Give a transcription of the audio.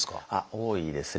多いですね。